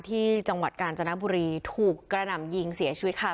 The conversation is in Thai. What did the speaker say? ที่จังหวัดกาญจนบุรีถูกกระหน่ำยิงเสียชีวิตค่ะ